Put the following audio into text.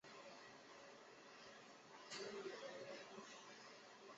弓对臂虫为海绵盘虫科对臂虫属的动物。